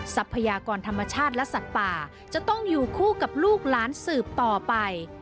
ทรัพยากรธรรมชาติและสัตว์ป่าจะต้องอยู่คู่กับลูกหลานสืบต่อไป